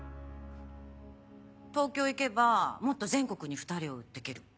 東京行けばもっと全国に２人を売っていける。